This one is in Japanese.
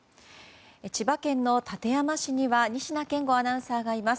千葉県の館山市には仁科健吾アナウンサーがいます。